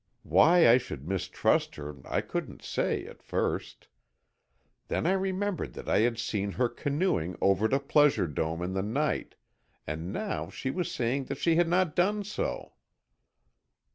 Why I should mistrust her I couldn't say, at first. Then I remembered that I had seen her canoeing over to Pleasure Dome in the night, and now she was saying she had not done so.